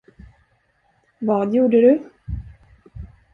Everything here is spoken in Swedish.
Vad gjorde du?